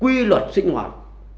quy luật sinh hoạt